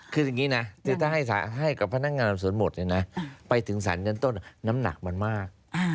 คืออย่างนี้นะคือถ้าให้กับพนักงานสวนหมดเนี่ยนะไปถึงสารชั้นต้นน้ำหนักมันมาก